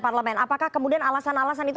parlemen apakah kemudian alasan alasan itu